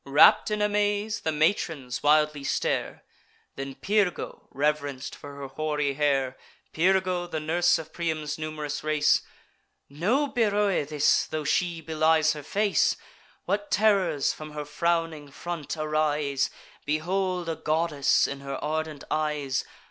Wrapp'd in amaze, the matrons wildly stare: Then Pyrgo, reverenc'd for her hoary hair, Pyrgo, the nurse of Priam's num'rous race: "No Beroe this, tho' she belies her face! What terrors from her frowning front arise! Behold a goddess in her ardent eyes!